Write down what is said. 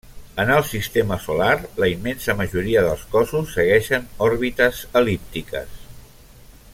En el sistema solar la immensa majoria dels cossos segueixen òrbites el·líptiques.